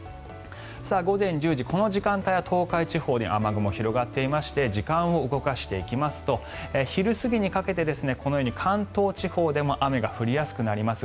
午前１０時、この時間帯は東海地方に雨雲が広がっていまして時間を動かしていきますと昼過ぎにかけてこのように関東地方でも雨が降りやすくなります。